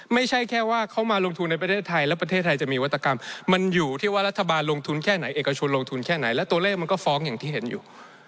ไม่ใช่แค่ว่าเขามาลงทุนในประเทศไทยแล้วประเทศไทยจะมีวัตกรรมมันอยู่ที่ว่ารัฐบาลลงทุนแค่ไหนเอกชนลงทุนแค่ไหนและตัวเลขมันก็ฟ้องอย่างที่เห็นอยู่